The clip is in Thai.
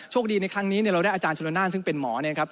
คดีในครั้งนี้เราได้อาจารย์ชนนานซึ่งเป็นหมอเนี่ยครับ